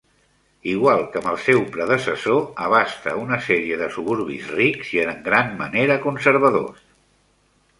Igual que amb el seu predecessor, abasta una sèrie de suburbis rics i en gran manera conservadors.